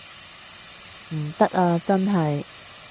唔得啊真係